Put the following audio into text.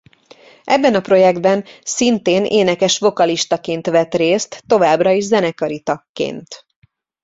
Ebben a projektben szintén énekes-vokalistaként vett részt továbbra is zenekari tagként.